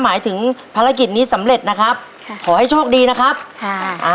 หมายถึงภารกิจนี้สำเร็จนะครับค่ะขอให้โชคดีนะครับค่ะอ่า